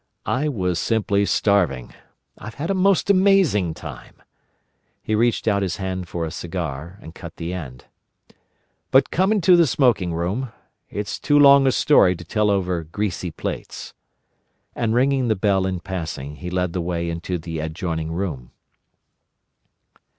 "I was simply starving. I've had a most amazing time." He reached out his hand for a cigar, and cut the end. "But come into the smoking room. It's too long a story to tell over greasy plates." And ringing the bell in passing, he led the way into the adjoining room.